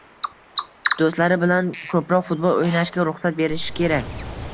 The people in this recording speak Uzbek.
do‘stlari bilan ko‘proq futbol o‘ynashga ruxsat berish kerak.